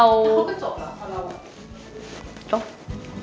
พวกเธอจบแล้วพอเรา